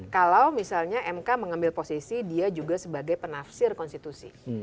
kalau misalnya mk mengambil posisi dia juga sebagai penafsir konstitusi